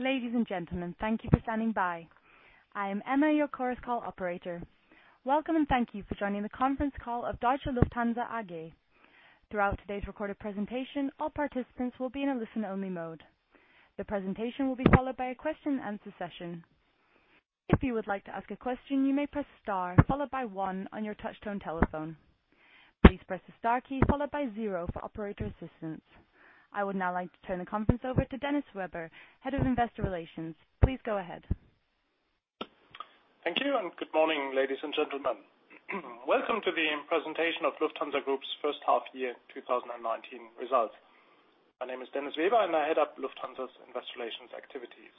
Ladies and gentlemen, thank you for standing by. I am Emma, your conference call operator. Welcome. Thank you for joining the conference call of Deutsche Lufthansa AG. Throughout today's recorded presentation, all participants will be in a listen-only mode. The presentation will be followed by a question and answer session. If you would like to ask a question, you may press star, followed by one on your touch-tone telephone. Please press the star key followed by zero for operator assistance. I would now like to turn the conference over to Dennis Weber, Head of Investor Relations. Please go ahead. Thank you, and good morning, ladies and gentlemen. Welcome to the presentation of Lufthansa Group's first half year 2019 results. My name is Dennis Weber, and I head up Lufthansa's investor relations activities.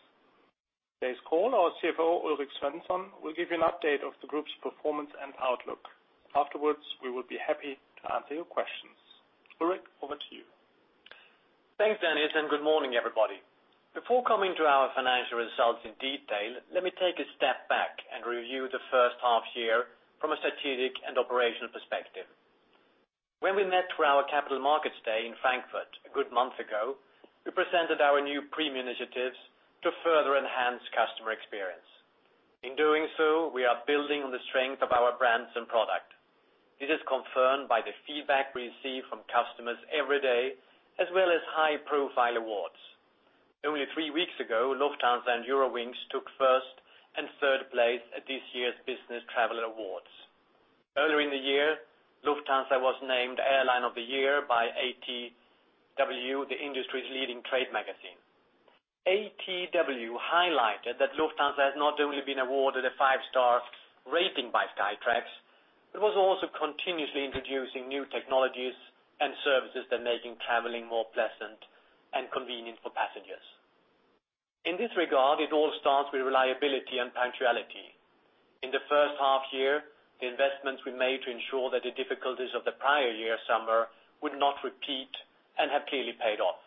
Today's call, our CFO, Ulrik Svensson, will give you an update of the group's performance and outlook. Afterwards, we will be happy to answer your questions. Ulrik, over to you. Thanks, Dennis, and good morning, everybody. Before coming to our financial results in detail, let me take a step back and review the first half year from a strategic and operational perspective. When we met for our Capital Markets Day in Frankfurt a good month ago, we presented our new premium initiatives to further enhance customer experience. In doing so, we are building on the strength of our brands and product. It is confirmed by the feedback we receive from customers every day, as well as high-profile awards. Only three weeks ago, Lufthansa and Eurowings took first and third place at this year's Business Traveller Awards. Earlier in the year, Lufthansa was named Airline of the Year by ATW, the industry's leading trade magazine. ATW highlighted that Lufthansa has not only been awarded a five-star rating by Skytrax, it was also continuously introducing new technologies and services that are making traveling more pleasant and convenient for passengers. In this regard, it all starts with reliability and punctuality. In the first half year, the investments we made to ensure that the difficulties of the prior year summer would not repeat and have clearly paid off.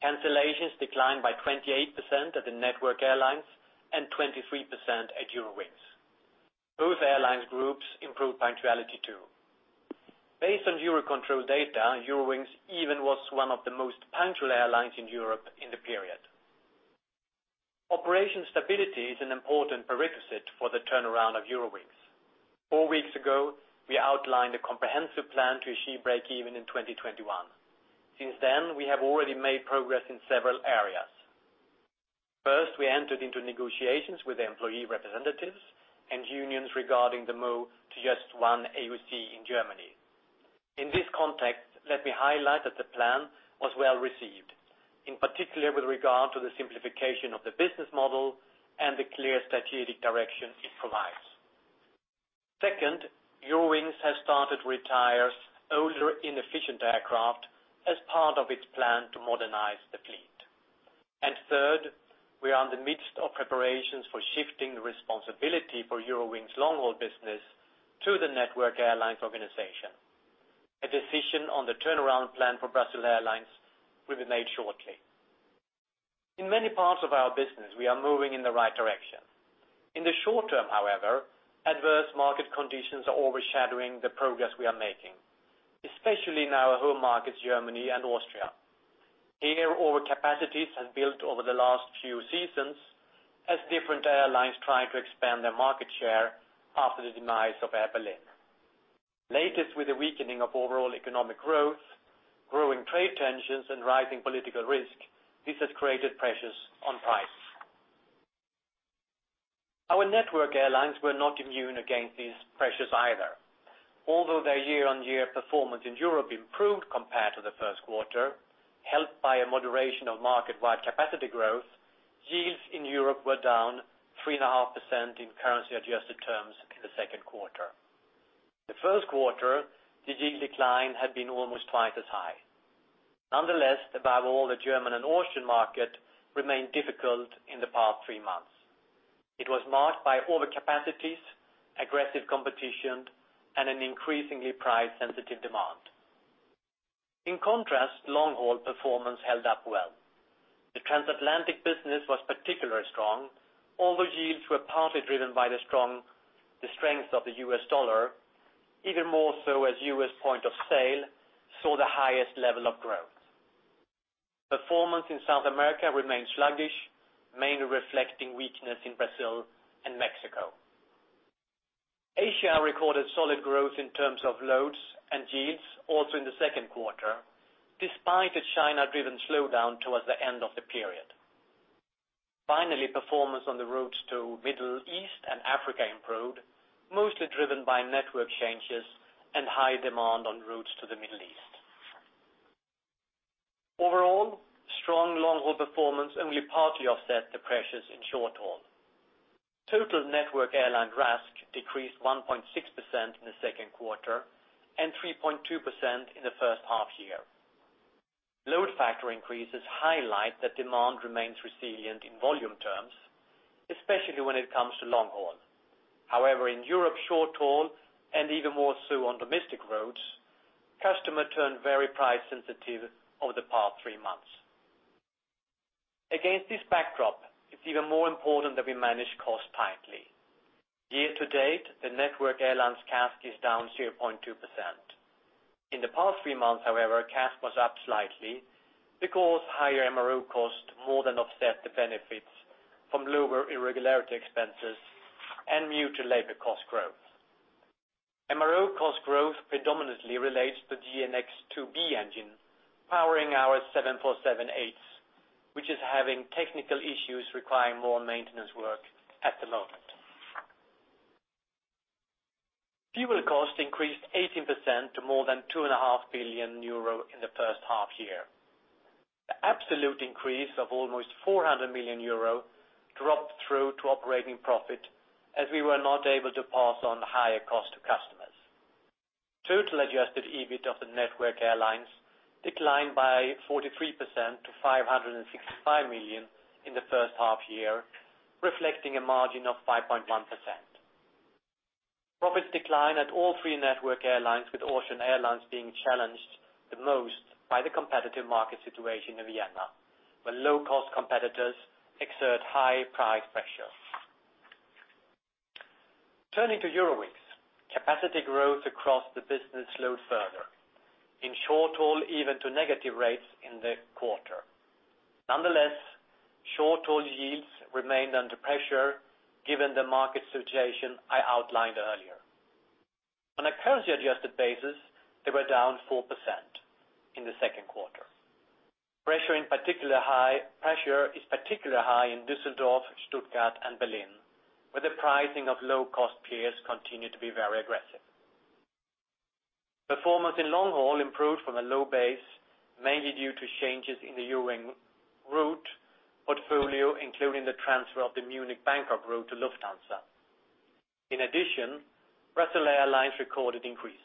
Cancellations declined by 28% at the Network Airlines and 23% at Eurowings. Both airlines groups improved punctuality too. Based on EUROCONTROL data, Eurowings even was one of the most punctual airlines in Europe in the period. Operation stability is an important prerequisite for the turnaround of Eurowings. Four weeks ago, we outlined a comprehensive plan to achieve breakeven in 2021. Since then, we have already made progress in several areas. First, we entered into negotiations with the employee representatives and unions regarding the move to just one AOC in Germany. In this context, let me highlight that the plan was well received, in particular with regard to the simplification of the business model and the clear strategic direction it provides. Second, Eurowings has started to retire older, inefficient aircraft as part of its plan to modernize the fleet. Third, we are in the midst of preparations for shifting the responsibility for Eurowings' long-haul business to the Network Airlines organization. A decision on the turnaround plan for Brussels Airlines will be made shortly. In many parts of our business, we are moving in the right direction. In the short term, however, adverse market conditions are overshadowing the progress we are making, especially in our home markets, Germany and Austria. Here, overcapacities have built over the last few seasons as different airlines try to expand their market share after the demise of Air Berlin. Latest with the weakening of overall economic growth, growing trade tensions, and rising political risk, this has created pressures on prices. Our Network Airlines were not immune against these pressures either. Although their year-on-year performance in Europe improved compared to the first quarter, helped by a moderation of market-wide capacity growth, yields in Europe were down 3.5% in currency-adjusted terms in the second quarter. The first quarter, the yield decline had been almost twice as high. Nonetheless, above all, the German and Austrian market remained difficult in the past three months. It was marked by overcapacities, aggressive competition, and an increasingly price-sensitive demand. In contrast, long-haul performance held up well. The transatlantic business was particularly strong, although yields were partly driven by the strength of the US dollar, even more so as US point of sale saw the highest level of growth. Performance in South America remained sluggish, mainly reflecting weakness in Brazil and Mexico. Asia recorded solid growth in terms of loads and yields also in the second quarter, despite a China-driven slowdown towards the end of the period. Finally, performance on the routes to Middle East and Africa improved, mostly driven by network changes and high demand on routes to the Middle East. Overall, strong long-haul performance only partly offset the pressures in short-haul. Total Network Airlines RASK decreased 1.6% in the second quarter and 3.2% in the first half year. Load factor increases highlight that demand remains resilient in volume terms, especially when it comes to long haul. However, in Europe short haul and even more so on domestic routes, customer turned very price sensitive over the past three months. Against this backdrop, it's even more important that we manage costs tightly. Year to date, the Network Airlines CASK is down 0.2%. In the past three months, however, CASK was up slightly because higher MRO cost more than offset the benefits from lower irregularity expenses and mutual labor cost growth. MRO cost growth predominantly relates to GEnx-2B engine powering our 747-8s, which is having technical issues requiring more maintenance work at the moment. Fuel cost increased 18% to more than 2.5 billion euro in the first half year. The absolute increase of almost 400 million euro dropped through to operating profit, as we were not able to pass on the higher cost to customers. Total adjusted EBIT of the Network Airlines declined by 43% to 565 million in the first half year, reflecting a margin of 5.1%. Profits declined at all three Network Airlines, with Austrian Airlines being challenged the most by the competitive market situation in Vienna, where low-cost competitors exert high price pressure. Turning to Eurowings. Capacity growth across the business slowed further, in short-haul, even to negative rates in the quarter. Nonetheless, short-haul yields remained under pressure, given the market situation I outlined earlier. On a currency-adjusted basis, they were down 4% in the second quarter. Pressure is particularly high in Düsseldorf, Stuttgart, and Berlin, where the pricing of low-cost peers continued to be very aggressive. Performance in long-haul improved from a low base, mainly due to changes in the Eurowings route portfolio, including the transfer of the Munich-Bangkok route to Lufthansa. In addition, Brussels Airlines recorded increases.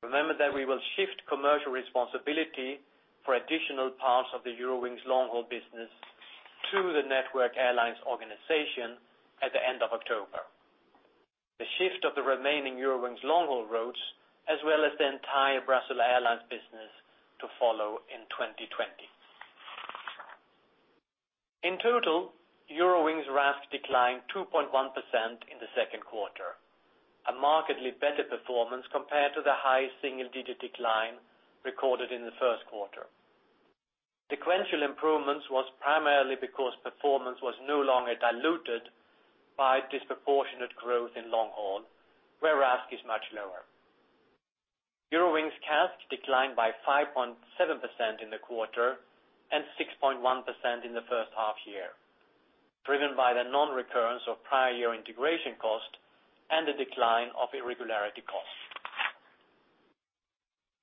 Remember that we will shift commercial responsibility for additional parts of the Eurowings long-haul business to the Network Airlines organization at the end of October. The shift of the remaining Eurowings long-haul routes, as well as the entire Brussels Airlines business, to follow in 2020. In total, Eurowings' RASK declined 2.1% in the second quarter, a markedly better performance compared to the high single-digit decline recorded in the first quarter. Sequential improvements was primarily because performance was no longer diluted by disproportionate growth in long-haul, where RASK is much lower. Eurowings' CASK declined by 5.7% in the quarter and 6.1% in the first half year, driven by the non-recurrence of prior year integration cost and the decline of irregularity cost.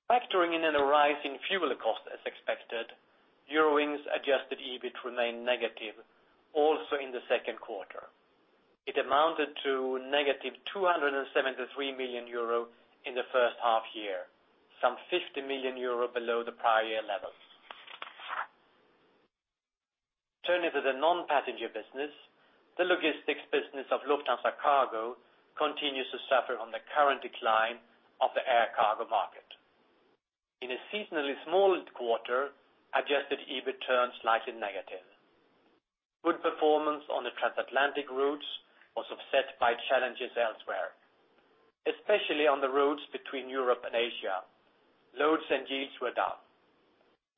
Factoring in a rise in fuel cost as expected, Eurowings' adjusted EBIT remained negative also in the second quarter. It amounted to negative 273 million euro in the first half year, some 50 million euro below the prior year levels. Turning to the non-passenger business. The logistics business of Lufthansa Cargo continues to suffer from the current decline of the air cargo market. In a seasonally small quarter, adjusted EBIT turned slightly negative. Good performance on the transatlantic routes was offset by challenges elsewhere. Especially on the routes between Europe and Asia, loads and yields were down.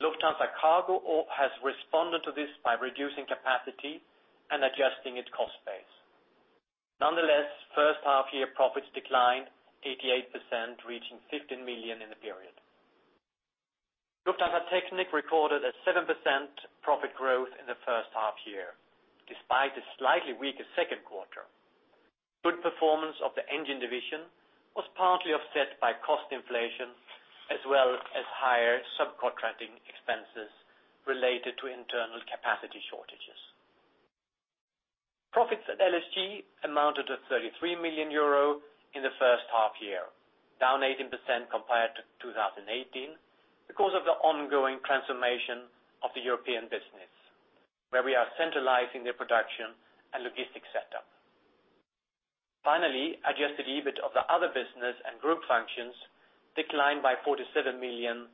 Lufthansa Cargo has responded to this by reducing capacity and adjusting its cost base. Nonetheless, first half year profits declined 88%, reaching 15 million in the period. Lufthansa Technik recorded a 7% profit growth in the first half year, despite a slightly weaker second quarter. Good performance of the engine division was partly offset by cost inflation, as well as higher subcontracting expenses related to internal capacity shortages. Profits at LSG amounted to 33 million euro in the first half year, down 18% compared to 2018 because of the ongoing transformation of the European business, where we are centralizing the production and logistics setup. Finally, adjusted EBIT of the other business and group functions declined by 47 million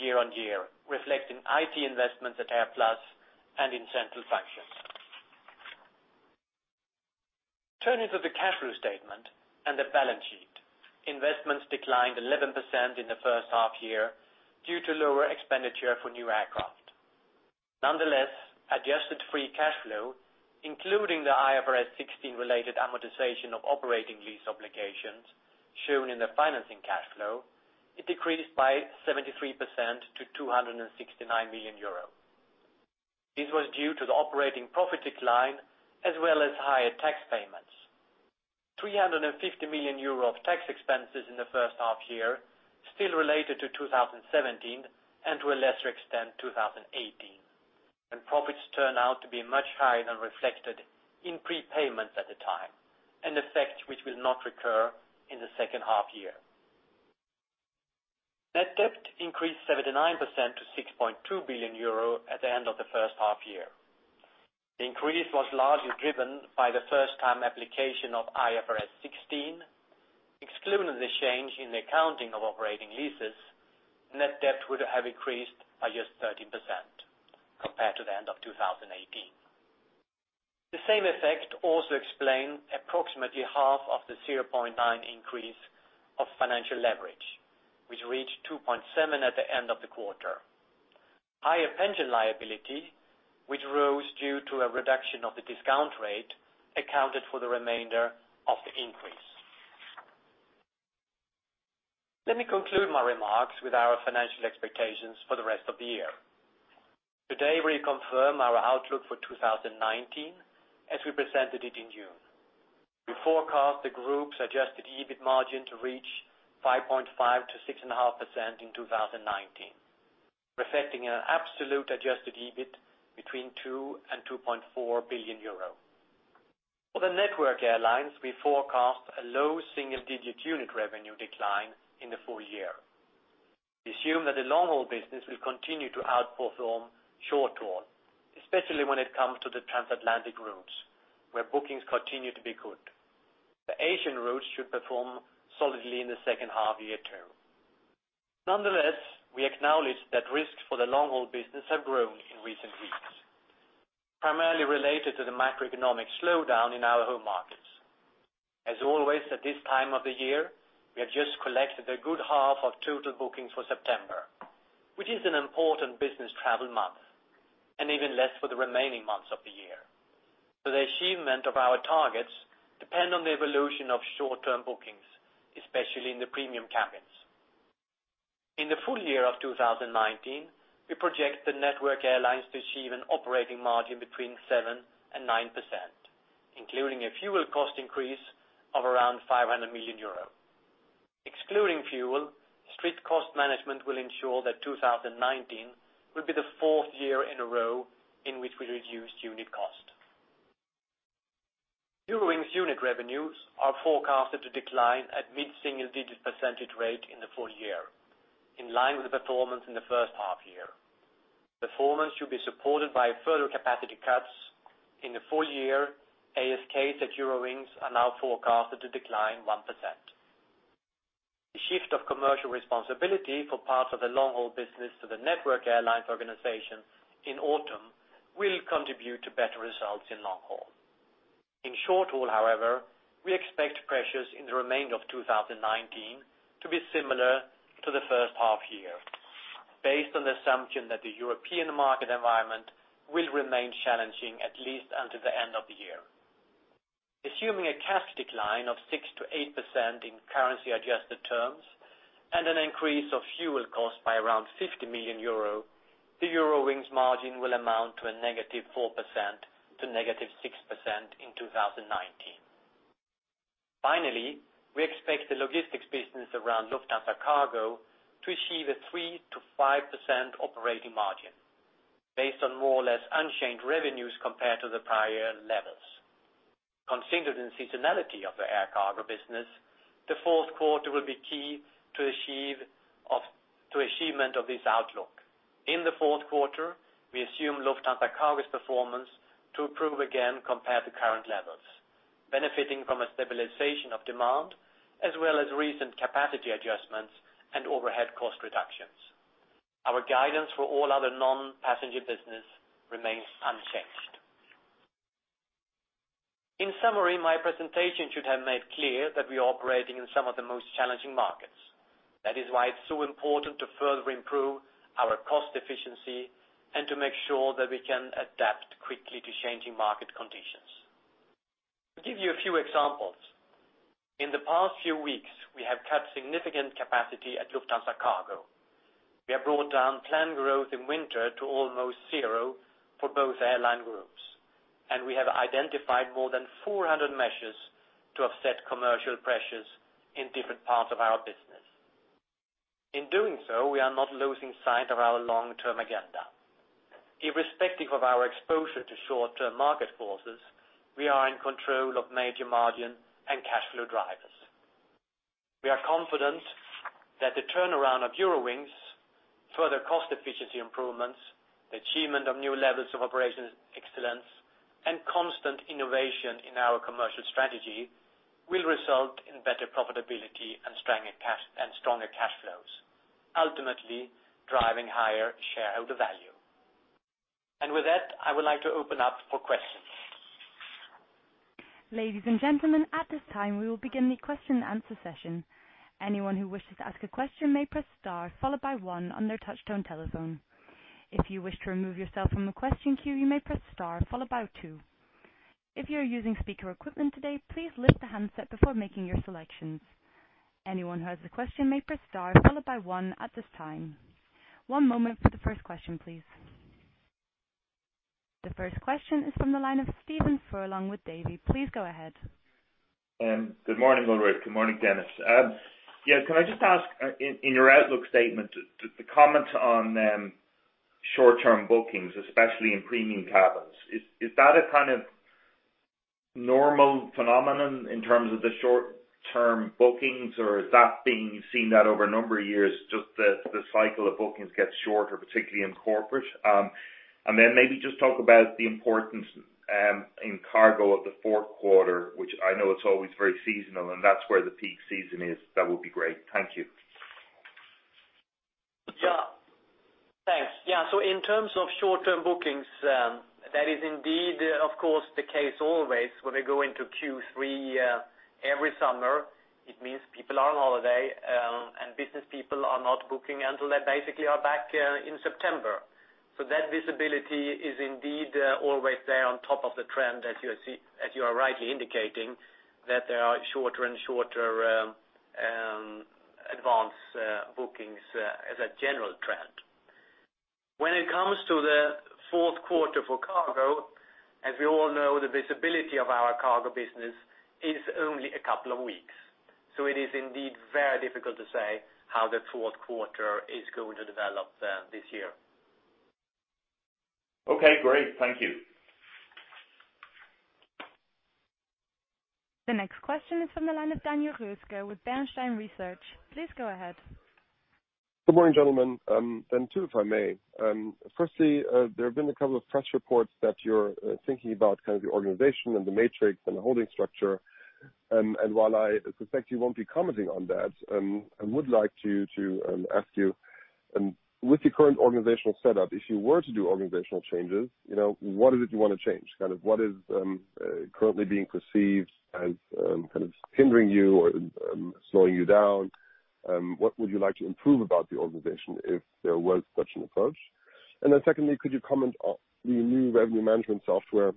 year on year, reflecting IT investments at AirPlus and in central functions. Turning to the cash flow statement and the balance sheet. Investments declined 11% in the first half year due to lower expenditure for new aircraft. Nonetheless, adjusted free cash flow, including the IFRS 16 related amortization of operating lease obligations shown in the financing cash flow, it decreased by 73% to 269 million euros. This was due to the operating profit decline, as well as higher tax payments. 350 million euro of tax expenses in the first half year still related to 2017, and to a lesser extent, 2018, when profits turned out to be much higher than reflected in prepayments at the time, an effect which will not recur in the second half year. Net debt increased 79% to 6.2 billion euro at the end of the first half year. The increase was largely driven by the first-time application of IFRS 16. Excluding the change in the accounting of operating leases, net debt would have increased by just 13% compared to the end of 2018. The same effect also explain approximately half of the 0.9 increase of financial leverage, which reached 2.7 at the end of the quarter. Higher pension liability, which rose due to a reduction of the discount rate, accounted for the remainder of the increase. Let me conclude my remarks with our financial expectations for the rest of the year. Today, we confirm our outlook for 2019 as we presented it in June. We forecast the group's adjusted EBIT margin to reach 5.5%-6.5% in 2019, reflecting an absolute adjusted EBIT between 2 billion and 2.4 billion euro. For the Network Airlines, we forecast a low single-digit unit revenue decline in the full year. We assume that the long-haul business will continue to outperform short-haul, especially when it comes to the transatlantic routes, where bookings continue to be good. The Asian routes should perform solidly in the second half year too. Nonetheless, we acknowledge that risks for the long-haul business have grown in recent weeks, primarily related to the macroeconomic slowdown in our home markets. As always, at this time of the year, we have just collected a good half of total bookings for September, which is an important business travel month, and even less for the remaining months of the year. The achievement of our targets depend on the evolution of short-term bookings, especially in the premium cabins. In the full year of 2019, we project the Network Airlines to achieve an operating margin between 7% and 9%, including a fuel cost increase of around 500 million euro. Excluding fuel, strict cost management will ensure that 2019 will be the fourth year in a row in which we reduced unit cost. Eurowings unit revenues are forecasted to decline at mid-single digit percentage rate in the full year, in line with the performance in the first half year. Performance should be supported by further capacity cuts in the full year. ASKs at Eurowings are now forecasted to decline 1%. The shift of commercial responsibility for parts of the long-haul business to the Network Airlines organization in autumn will contribute to better results in long haul. In short haul, however, we expect pressures in the remainder of 2019 to be similar to the first half year, based on the assumption that the European market environment will remain challenging at least until the end of the year. Assuming a CASM decline of 6%-8% in currency adjusted terms and an increase of fuel cost by around 50 million euro, the Eurowings margin will amount to a negative 4% to negative 6% in 2019. Finally, we expect the logistics business around Lufthansa Cargo to achieve a 3%-5% operating margin based on more or less unchanged revenues compared to the prior levels. Considered in seasonality of the air cargo business, the fourth quarter will be key to achievement of this outlook. In the fourth quarter, we assume Lufthansa Cargo's performance to improve again compared to current levels, benefiting from a stabilization of demand as well as recent capacity adjustments and overhead cost reductions. Our guidance for all other non-passenger business remains unchanged. In summary, my presentation should have made clear that we are operating in some of the most challenging markets. That is why it's so important to further improve our cost efficiency and to make sure that we can adapt quickly to changing market conditions. To give you a few examples, in the past few weeks, we have cut significant capacity at Lufthansa Cargo. We have brought down planned growth in winter to almost zero for both airline groups, and we have identified more than 400 measures to offset commercial pressures in different parts of our business. In doing so, we are not losing sight of our long-term agenda. Irrespective of our exposure to short-term market forces, we are in control of major margin and cash flow drivers. We are confident that the turnaround of Eurowings, further cost efficiency improvements, the achievement of new levels of operations excellence, and constant innovation in our commercial strategy will result in better profitability and stronger cash flows, ultimately driving higher shareholder value. With that, I would like to open up for questions. Ladies and gentlemen, at this time, we will begin the question and answer session. Anyone who wishes to ask a question may press star followed by one on their touchtone telephone. If you wish to remove yourself from the question queue, you may press star followed by two. If you are using speaker equipment today, please lift the handset before making your selections. Anyone who has a question may press star followed by one at this time. One moment for the first question, please. The first question is from the line of Stephen Furlong with Davy. Please go ahead. Good morning, Ulrik. Good morning, Dennis. Can I just ask, in your outlook statement, the comment on short-term bookings, especially in premium cabins, is that a kind of normal phenomenon in terms of the short-term bookings? Is that seeing that over a number of years, just the cycle of bookings gets shorter, particularly in corporate? Maybe just talk about the importance in cargo of the fourth quarter, which I know it's always very seasonal, and that's where the peak season is. That would be great. Thank you. Yes. In terms of short-term bookings, that is indeed, of course, the case always when we go into Q3 every summer. It means people are on holiday, and business people are not booking until they basically are back in September. That visibility is indeed always there on top of the trend, as you are rightly indicating, that there are shorter and shorter advance bookings as a general trend. When it comes to the fourth quarter for cargo, as we all know, the visibility of our cargo business is only a couple of weeks. It is indeed very difficult to say how the fourth quarter is going to develop this year. Okay, great. Thank you. The next question is from the line of Daniel Roeska with Bernstein Research. Please go ahead. Good morning, gentlemen, and two, if I may. Firstly, there have been a couple of press reports that you're thinking about the organization and the matrix and the holding structure. While I suspect you won't be commenting on that, I would like to ask you, with the current organizational setup, if you were to do organizational changes, what is it you want to change? What is currently being perceived as hindering you or slowing you down? What would you like to improve about the organization if there was such an approach? Secondly, could you comment on the new revenue management software,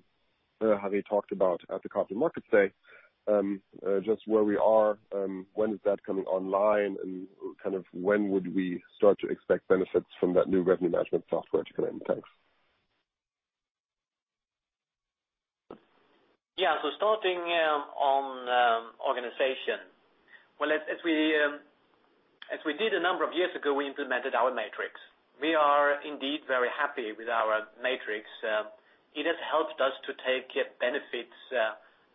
having talked about at the Capital Markets Day, just where we are, when is that coming online, and when would we start to expect benefits from that new revenue management software to come in? Thanks. Yeah. Starting on organization. Well, as we did a number of years ago, we implemented our matrix. We are indeed very happy with our matrix. It has helped us to take benefits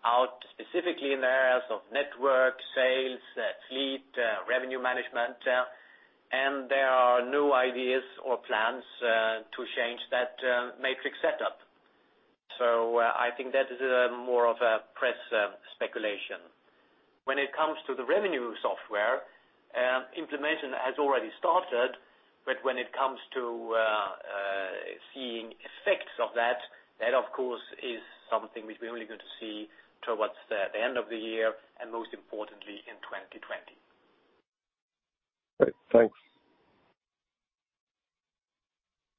out specifically in the areas of network, sales, fleet, revenue management, and there are no ideas or plans to change that matrix setup. I think that is more of a press speculation. When it comes to the revenue software, implementation has already started, but when it comes to seeing effects of that of course is something which we're only going to see towards the end of the year and most importantly, in 2020. Great. Thanks.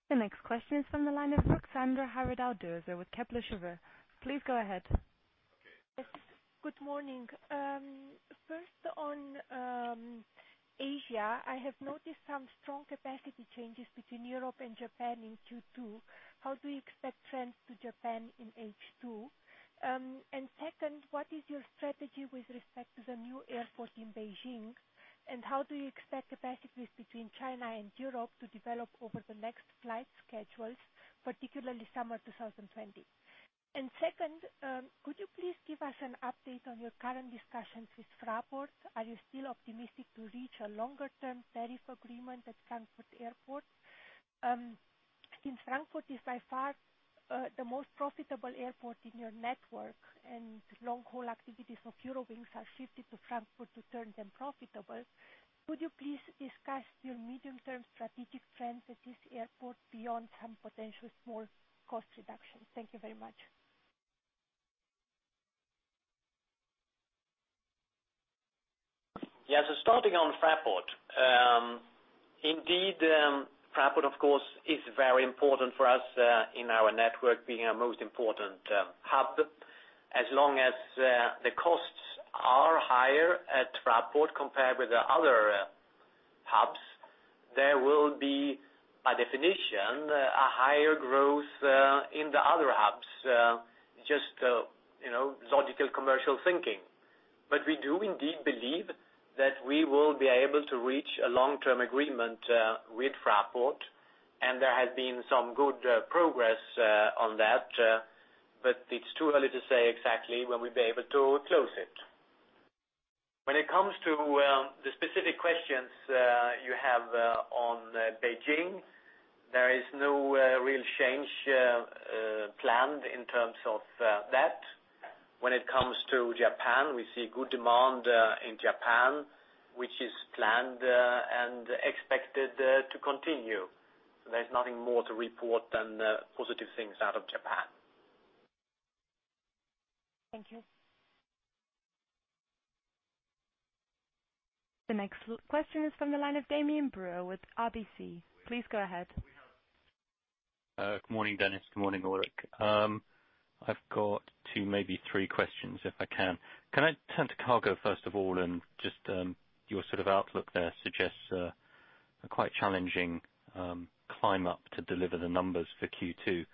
The next question is from the line of Ruxandra Haradau-Doser with Kepler Cheuvreux. Please go ahead. Good morning. First on Asia, I have noticed some strong capacity changes between Europe and Japan in Q2. How do you expect trends to Japan in H2? Second, what is your strategy with respect to the new airport in Beijing, and how do you expect capacities between China and Europe to develop over the next flight schedules, particularly summer 2020? Second, could you please give us an update on your current discussions with Fraport? Are you still optimistic to reach a longer-term tariff agreement at Frankfurt Airport? Since Frankfurt is by far the most profitable airport in your network and long-haul activities of Eurowings are shifted to Frankfurt to turn them profitable, could you please discuss your medium-term strategic trends at this airport beyond some potential small cost reductions? Thank you very much. Yeah. Starting on Fraport. Indeed, Fraport, of course, is very important for us in our network, being our most important hub. As long as the costs are higher at Fraport compared with the other hubs, there will be, by definition, a higher growth in the other hubs. Just logical commercial thinking. We do indeed believe that we will be able to reach a long-term agreement with Fraport, and there has been some good progress on that. It's too early to say exactly when we'll be able to close it. When it comes to the specific questions you have on Beijing, there is no real change planned in terms of that. When it comes to Japan, we see good demand in Japan, which is planned and expected to continue. There's nothing more to report than positive things out of Japan. Thank you. The next question is from the line of Damian Brewer with RBC. Please go ahead. Good morning, Dennis. Good morning, Ulrik. I've got two, maybe three questions, if I can. Can I turn to cargo, first of all, and just your sort of outlook there suggests a quite challenging climb up to deliver the numbers for Q2?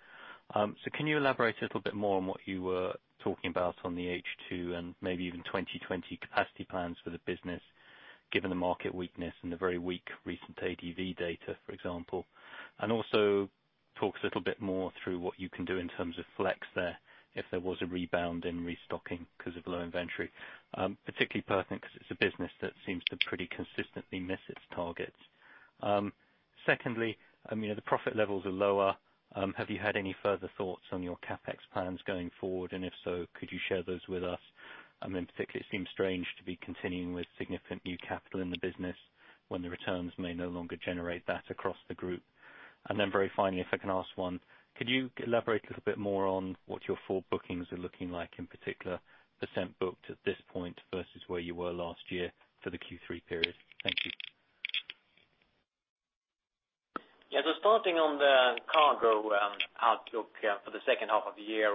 Can you elaborate a little bit more on what you were talking about on the H2 and maybe even 2020 capacity plans for the business, given the market weakness and the very weak recent ADV data, for example? Also talk a little bit more through what you can do in terms of flex there if there was a rebound in restocking because of low inventory? Particularly pertinent because it's a business that seems to pretty consistently miss its targets. Secondly, the profit levels are lower. Have you had any further thoughts on your CapEx plans going forward? If so, could you share those with us. In particular, it seems strange to be continuing with significant new capital in the business when the returns may no longer generate that across the group. Very finally, if I can ask one, could you elaborate a little bit more on what your forward bookings are looking like, in particular % booked at this point versus where you were last year for the Q3 period? Thank you. Yeah. Starting on the cargo outlook for the second half of the year.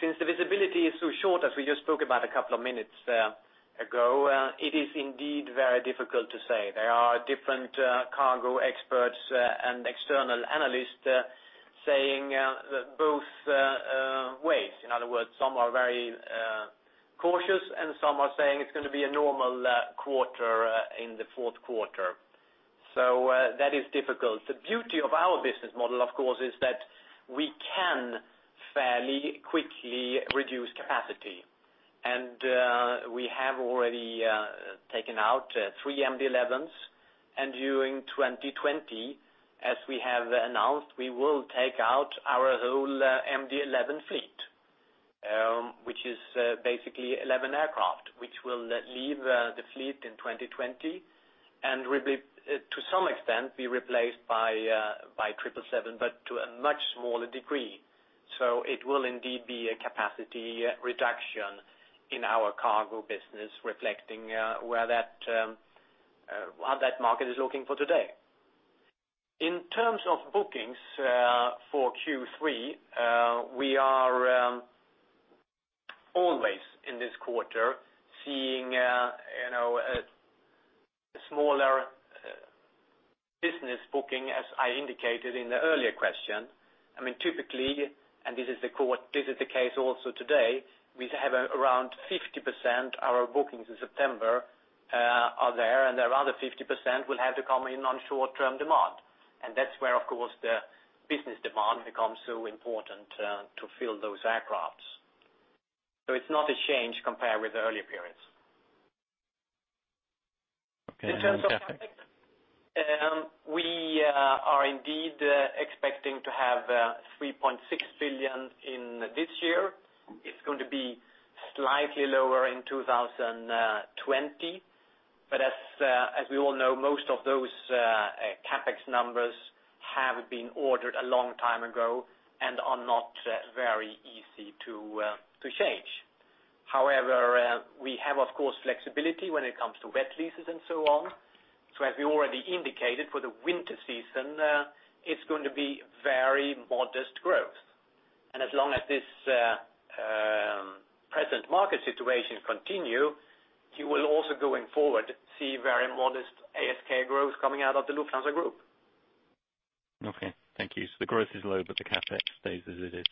Since the visibility is so short, as we just spoke about a couple of minutes ago, it is indeed very difficult to say. There are different cargo experts and external analysts saying both ways. In other words, some are very cautious and some are saying it's going to be a normal quarter in the fourth quarter. That is difficult. The beauty of our business model, of course, is that we can fairly quickly reduce capacity. We have already taken out three MD-11s, and during 2020, as we have announced, we will take out our whole MD-11 fleet which is basically 11 aircraft, which will leave the fleet in 2020 and to some extent be replaced by 777, but to a much smaller degree. It will indeed be a capacity reduction in our cargo business, reflecting where that market is looking for today. In terms of bookings for Q3, we are always in this quarter seeing a smaller business booking, as I indicated in the earlier question. Typically, and this is the case also today, we have around 50% our bookings in September are there, and the other 50% will have to come in on short-term demand. That's where, of course, the business demand becomes so important to fill those aircrafts. It's not a change compared with the earlier periods. Okay. In terms of CapEx, we are indeed expecting to have 3.6 billion in this year. It's going to be slightly lower in 2020, but as we all know, most of those CapEx numbers have been ordered a long time ago and are not very easy to change. However, we have, of course, flexibility when it comes to wet leases and so on. As we already indicated, for the winter season, it's going to be very modest growth. As long as this present market situation continue, you will also, going forward, see very modest ASK growth coming out of the Lufthansa Group. Okay. Thank you. The growth is low, but the CapEx stays as it is.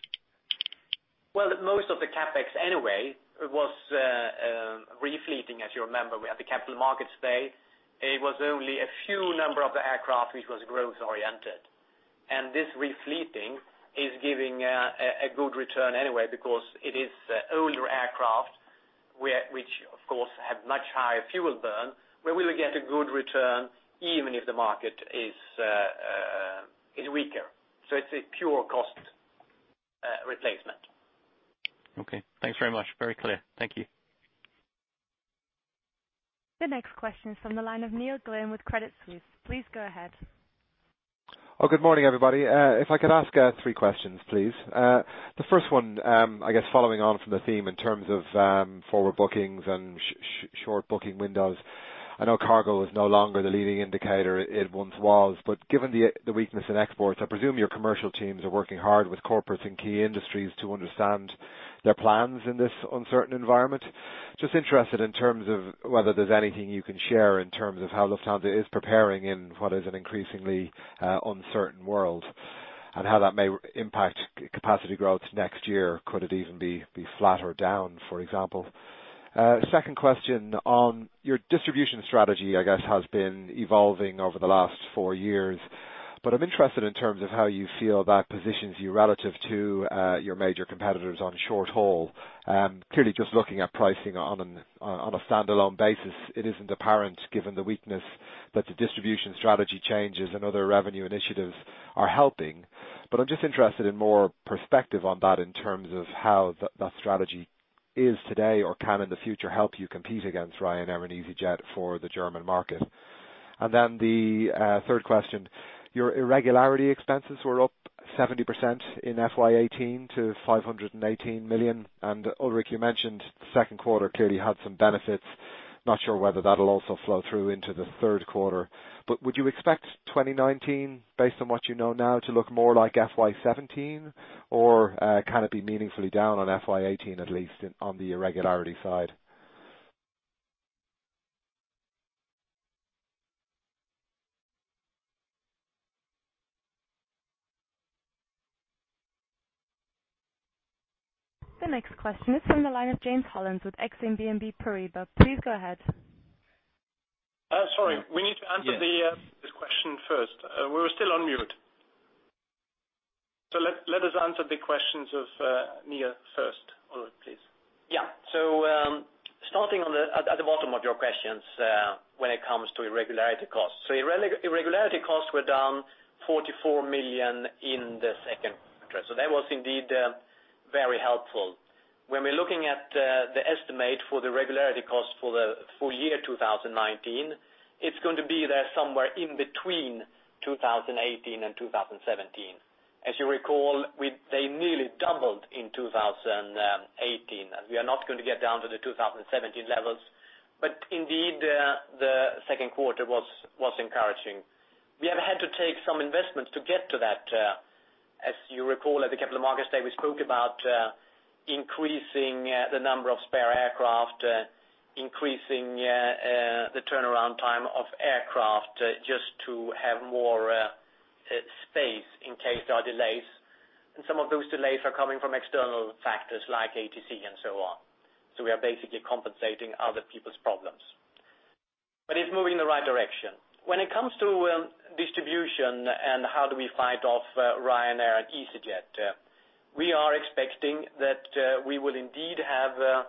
Well, most of the CapEx anyway, was refleeting, as you remember. We had the Capital Markets Day. It was only a few number of the aircraft which was growth oriented. This refleeting is giving a good return anyway because it is older aircraft, which, of course, have much higher fuel burn, where we will get a good return even if the market is weaker. It's a pure cost replacement. Okay. Thanks very much. Very clear. Thank you. The next question is from the line of Neil Glynn with Credit Suisse. Please go ahead. Good morning, everybody. If I could ask three questions, please. First one, I guess following on from the theme in terms of forward bookings and short booking windows. I know cargo is no longer the leading indicator it once was, but given the weakness in exports, I presume your commercial teams are working hard with corporates in key industries to understand their plans in this uncertain environment. I am just interested in terms of whether there's anything you can share in terms of how Lufthansa is preparing in what is an increasingly uncertain world, and how that may impact capacity growth next year. Could it even be flat or down, for example? My second question on your distribution strategy, I guess, has been evolving over the last four years, but I'm interested in terms of how you feel that positions you relative to your major competitors on short haul. Clearly, just looking at pricing on a standalone basis, it isn't apparent given the weakness that the distribution strategy changes and other revenue initiatives are helping. I'm just interested in more perspective on that in terms of how that strategy is today or can in the future help you compete against Ryanair and easyJet for the German market. The third question. Your irregularity expenses were up 70% in FY 2018 to 518 million. Ulrich, you mentioned the second quarter clearly had some benefits. Not sure whether that'll also flow through into the third quarter, but would you expect 2019, based on what you know now, to look more like FY 2017 or can it be meaningfully down on FY 2018, at least on the irregularity side? The next question is from the line of James Hollins with Exane BNP Paribas. Please go ahead. Sorry, we need to answer this question first. We were still on mute. Let us answer the questions of Neil first. Ulrik, please. Starting at the bottom of your questions when it comes to irregularity costs. Irregularity costs were down 44 million in the second quarter, so that was indeed very helpful. When we're looking at the estimate for the regularity cost for the full year 2019, it's going to be there somewhere in between 2018 and 2017. As you recall, they nearly doubled in 2018. We are not going to get down to the 2017 levels, but indeed, the second quarter was encouraging. We have had to take some investments to get to that. As you recall, at the Capital Markets Day, we spoke about increasing the number of spare aircraft, increasing the turnaround time of aircraft just to have more space in case there are delays. Some of those delays are coming from external factors like ATC and so on. We are basically compensating other people's problems. It's moving in the right direction. When it comes to distribution and how do we fight off Ryanair and easyJet, we are expecting that we will indeed have a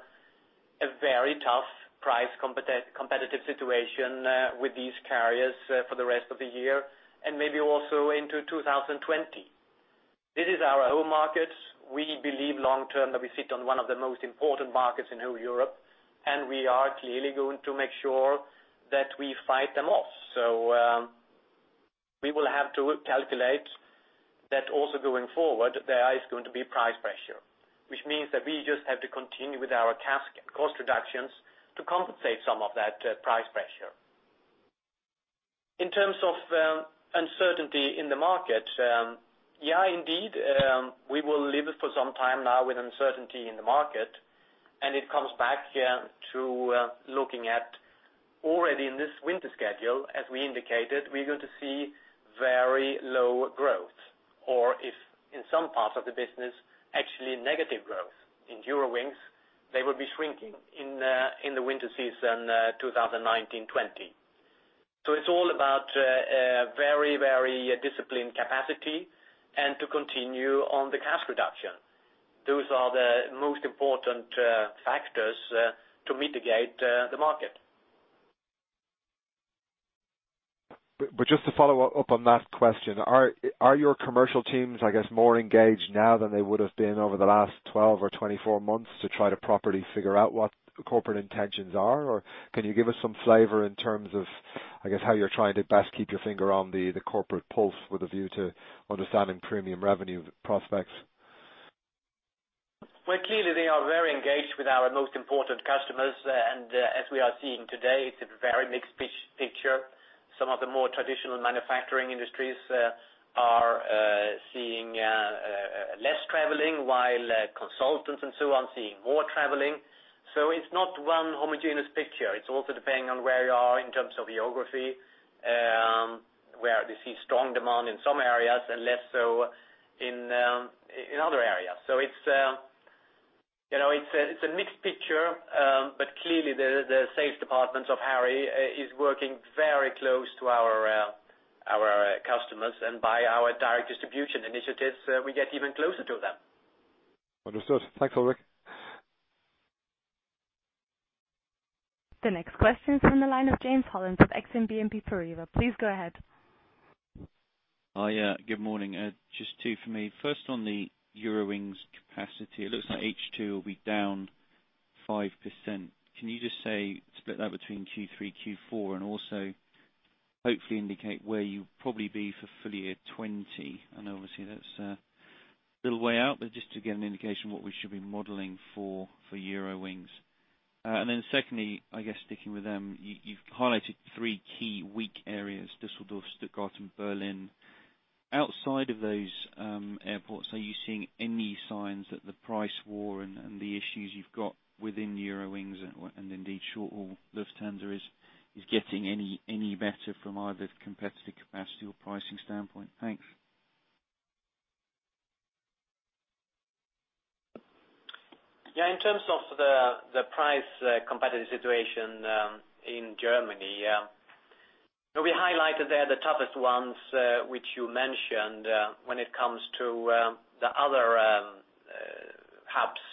very tough price competitive situation with these carriers for the rest of the year and maybe also into 2020. This is our home market. We believe long-term that we sit on one of the most important markets in whole Europe, and we are clearly going to make sure that we fight them off. We will have to calculate that also going forward, there is going to be price pressure, which means that we just have to continue with our task and cost reductions to compensate some of that price pressure. In terms of uncertainty in the market. Indeed, we will live for some time now with uncertainty in the market, and it comes back to looking at already in this winter schedule, as we indicated, we're going to see very low growth. Or if in some parts of the business, actually negative growth. In Eurowings, they will be shrinking in the winter season 2019/2020. It's all about very disciplined capacity and to continue on the cost reduction. Those are the most important factors to mitigate the market. Just to follow up on that question, are your commercial teams, I guess, more engaged now than they would have been over the last 12 or 24 months to try to properly figure out what corporate intentions are? Can you give us some flavor in terms of, I guess, how you're trying to best keep your finger on the corporate pulse with a view to understanding premium revenue prospects? Clearly they are very engaged with our most important customers. As we are seeing today, it's a very mixed picture. Some of the more traditional manufacturing industries are seeing less traveling, while consultants and so on, seeing more traveling. It's not one homogeneous picture. It's also depending on where you are in terms of geography, where we see strong demand in some areas and less so in other areas. It's a mixed picture, but clearly the sales department of Harry is working very close to our customers and by our direct distribution initiatives, we get even closer to them. Understood. Thanks, Ulrik. The next question is from the line of James Hollins with Exane BNP Paribas. Please go ahead. Good morning. Just two for me. First on the Eurowings capacity. It looks like H2 will be down 5%. Can you just say, split that between Q3, Q4, and also hopefully indicate where you'll probably be for full year 2020? I know, obviously, that's a little way out, but just to get an indication what we should be modeling for Eurowings. Secondly, I guess sticking with them, you've highlighted three key weak areas, Dusseldorf, Stuttgart, and Berlin. Outside of those airports, are you seeing any signs that the price war and the issues you've got within Eurowings and indeed short-haul Lufthansa is getting any better from either competitive capacity or pricing standpoint? Thanks. In terms of the price competitive situation in Germany, we highlighted there the toughest ones which you mentioned when it comes to the other hubs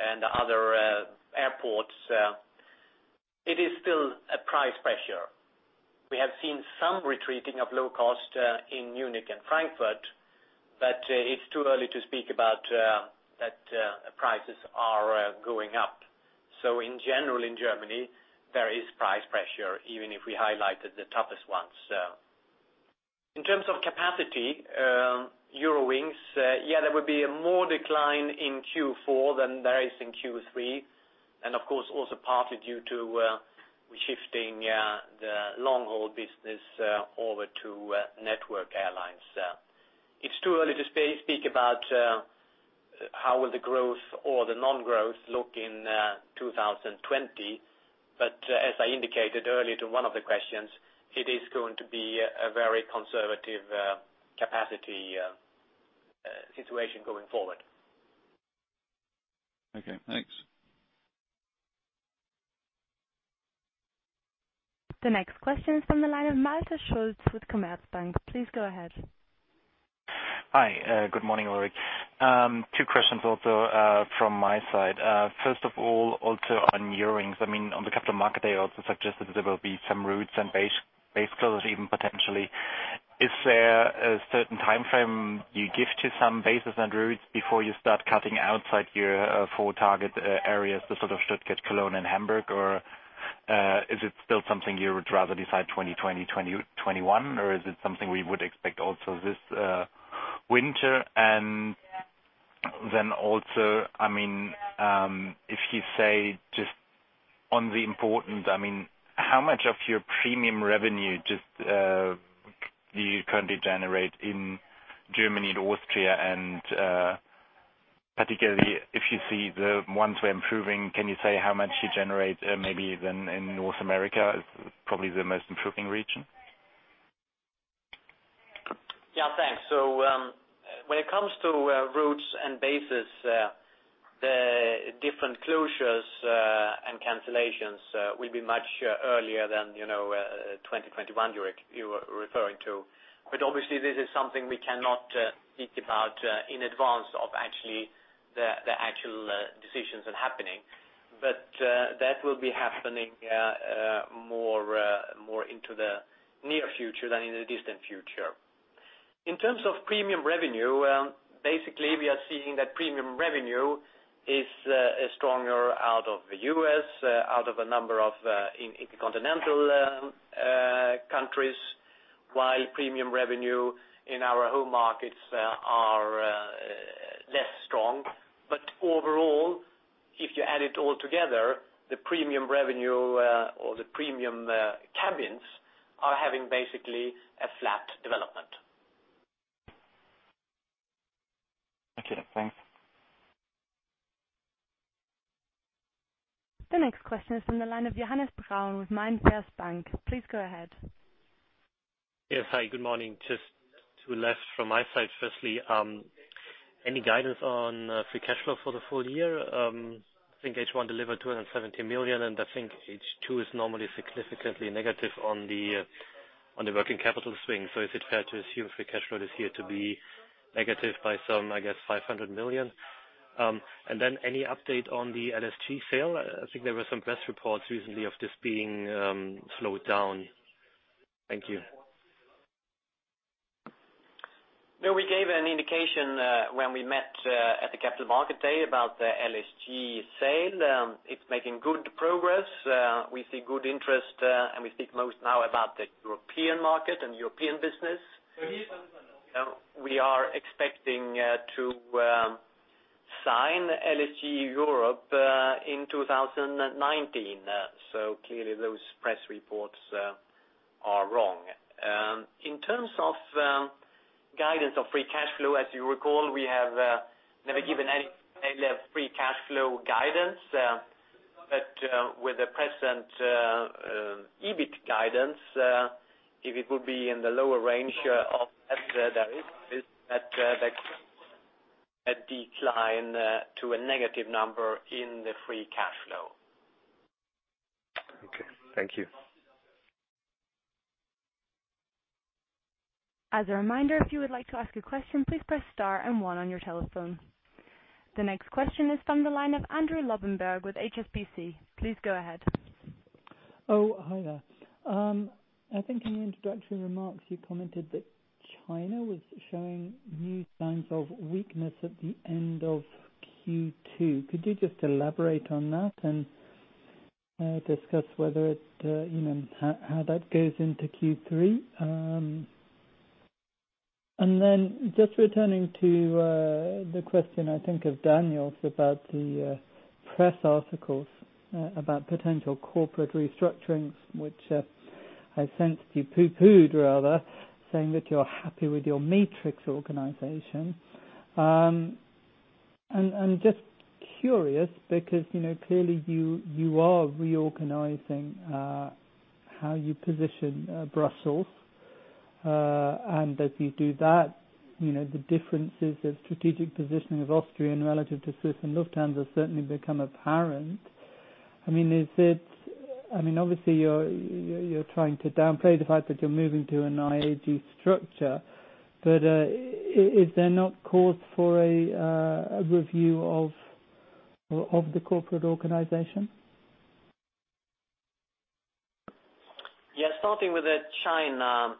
and the other airports. It is still a price pressure. We have seen some retreating of low cost in Munich and Frankfurt, but it's too early to speak about that prices are going up. In general, in Germany, there is price pressure, even if we highlighted the toughest ones. In terms of capacity, Eurowings, there will be a more decline in Q4 than there is in Q3, and of course, also partly due to shifting the long-haul business over to Network Airlines. It's too early to speak about how will the growth or the non-growth look in 2020. As I indicated earlier to one of the questions, it is going to be a very conservative capacity situation going forward. Okay. Thanks. The next question is from the line of Martha Schultz with Commerzbank. Please go ahead. Hi. Good morning, Ulrik. Two questions also from my side. On Eurowings, on the capital market, they also suggested there will be some routes and base closures even potentially. Is there a certain timeframe you give to some bases and routes before you start cutting outside your four target areas, the sort of Stuttgart, Cologne, and Hamburg, or is it still something you would rather decide 2020, 2021, or is it something we would expect also this winter? If you say just on the importance, how much of your premium revenue do you currently generate in Germany and Austria? Particularly, if you see the ones we're improving, can you say how much you generate maybe then in North America, is probably the most improving region? Yeah. Thanks. When it comes to routes and bases, the different closures and cancellations will be much earlier than 2021 you were referring to. Obviously this is something we cannot think about in advance of the actual decisions and happening. That will be happening more into the near future than in the distant future. In terms of premium revenue, basically we are seeing that premium revenue is stronger out of the U.S., out of a number of intercontinental countries, while premium revenue in our home markets are less strong. Overall, if you add it all together, the premium revenue or the premium cabins are having basically a flat development. Okay. Thanks. The next question is from the line of Johannes Braun with MainFirst Bank. Please go ahead. Yes. Hi, good morning. Just two last from my side. Firstly, any guidance on free cash flow for the full year? I think H1 delivered 270 million. I think H2 is normally significantly negative on the working capital swing. Is it fair to assume free cash flow this year to be negative by some, I guess, 500 million? Then any update on the LSG sale? I think there were some press reports recently of this being slowed down. Thank you. We gave an indication when we met at the Capital Markets Day about the LSG sale. It's making good progress. We see good interest and we think most now about the European market and European business. We are expecting to sign LSG Europe in 2019. Clearly those press reports are wrong. In terms of guidance of free cash flow, as you recall, we have never given any free cash flow guidance. With the present EBIT guidance, if it will be in the lower range of that, there is a decline to a negative number in the free cash flow. Okay. Thank you. As a reminder, if you would like to ask a question, please press star and one on your telephone. The next question is from the line of Andrew Lobbenberg with HSBC. Please go ahead. Oh, hi there. I think in the introductory remarks, you commented that China was showing new signs of weakness at the end of Q2. Could you just elaborate on that and discuss how that goes into Q3? Then just returning to the question, I think of Daniel's about the press articles about potential corporate restructuring, which I sensed you poo-pooed rather, saying that you're happy with your matrix organization. I'm just curious because clearly you are reorganizing how you position Brussels. As you do that, the differences of strategic positioning of Austrian relative to Swiss and Lufthansa certainly become apparent. Obviously you're trying to downplay the fact that you're moving to an IAG structure. Is there not cause for a review of the corporate organization? Yeah. Starting with the China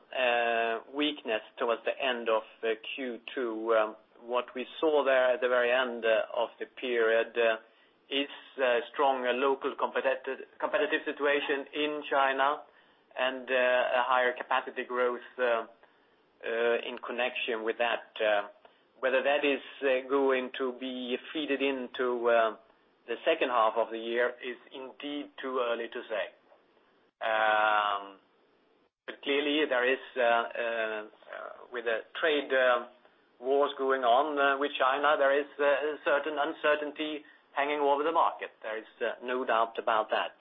weakness towards the end of Q2, what we saw there at the very end of the period is a strong local competitive situation in China and a higher capacity growth in connection with that. Whether that is going to be fed into the second half of the year is indeed too early to say. Clearly, with the trade wars going on with China, there is a certain uncertainty hanging over the market. There is no doubt about that.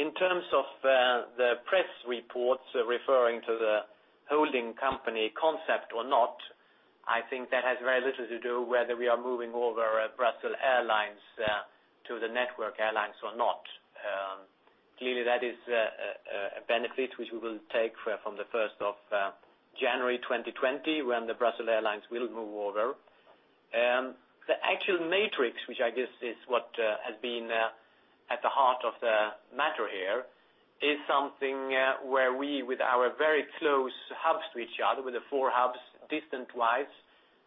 In terms of the press reports referring to the holding company concept or not, I think that has very little to do whether we are moving over Brussels Airlines to the Network Airlines or not. Clearly, that is a benefit which we will take from the 1st of January 2020 when the Brussels Airlines will move over. The actual matrix, which I guess is what has been at the heart of the matter here, is something where we, with our very close hubs to each other, with the four hubs distance-wise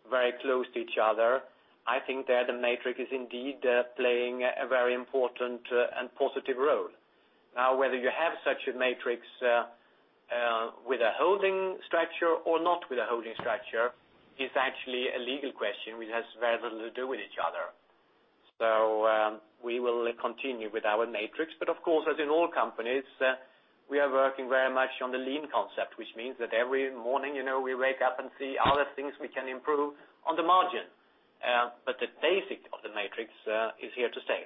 very close to each other, I think there the matrix is indeed playing a very important and positive role. Whether you have such a matrix with a holding structure or not with a holding structure is actually a legal question, which has very little to do with each other. We will continue with our matrix, but of course, as in all companies, we are working very much on the lean concept, which means that every morning, we wake up and see are there things we can improve on the margin. The basic of the matrix is here to stay.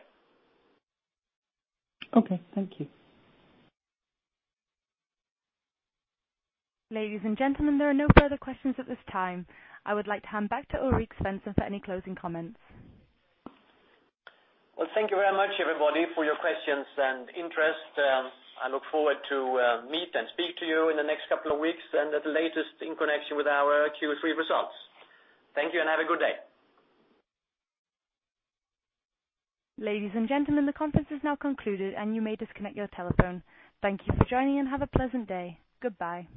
Okay. Thank you. Ladies and gentlemen, there are no further questions at this time. I would like to hand back to Ulrik Svensson for any closing comments. Well, thank you very much everybody for your questions and interest. I look forward to meet and speak to you in the next couple of weeks and at the latest in connection with our Q3 results. Thank you and have a good day. Ladies and gentlemen, the conference is now concluded and you may disconnect your telephone. Thank you for joining and have a pleasant day. Goodbye.